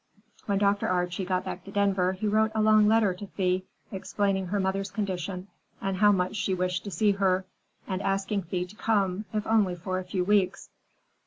When Dr. Archie got back to Denver he wrote a long letter to Thea, explaining her mother's condition and how much she wished to see her, and asking Thea to come, if only for a few weeks.